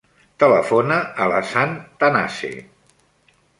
Telefona a l'Hassan Tanase.